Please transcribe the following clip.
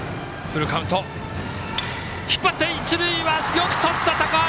よくとった、高橋！